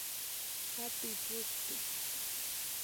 Hatuy pushtu